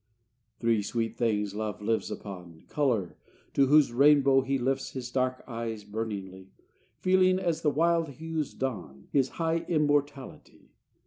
Three sweet things love lives upon: Color, to whose rainbow he Lifts his dark eyes burningly; Feeling, as the wild hues dawn, His high immortality.